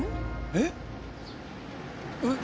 えっ？えっ？